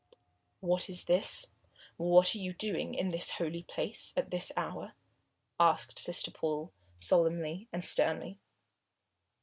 "What is this? What are you doing in this holy place and at this hour?" asked Sister Paul, solemnly and sternly.